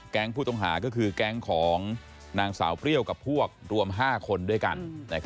ผู้ต้องหาก็คือแก๊งของนางสาวเปรี้ยวกับพวกรวม๕คนด้วยกัน